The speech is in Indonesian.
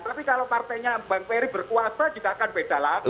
tapi kalau partainya bang ferry berkuasa juga akan beda lagi